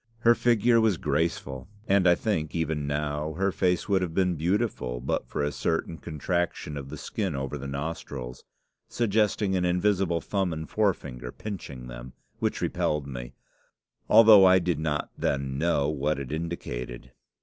Her figure was graceful, and I think, even now, her face would have been beautiful but for a certain contraction of the skin over the nostrils, suggesting an invisible thumb and forefinger pinching them, which repelled me, although I did not then know what it indicated.